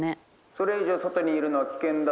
「それ以上外にいるのは危険だぞ。